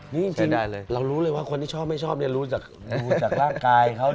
นี่จริงเรารู้เลยว่าคนที่ชอบไม่ชอบเนี่ยรู้จากร่างกายเขา